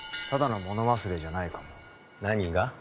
ただの物忘れじゃないかも何が？